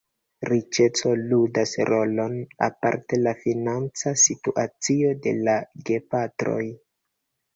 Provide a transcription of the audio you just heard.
Riĉeco ludas rolon, aparte la financa situacio de la gepatroj.